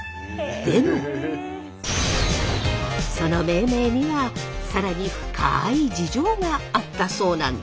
でもその命名には更に深い事情があったそうなんです。